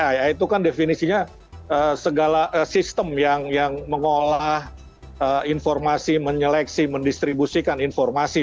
ya itu kan definisinya segala sistem yang mengolah informasi menyeleksi mendistribusikan informasi